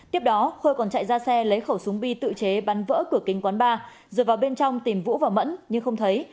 tiếp đó khôi còn chạy ra xe lấy khẩu súng bi tự chế bắn vỡ cửa kính quán bar rồi vào bên trong tìm vũ và mẫn nhưng không thấy